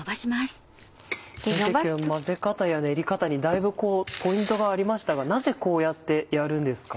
先生今日は混ぜ方や練り方にだいぶポイントがありましたがなぜこうやってやるんですか？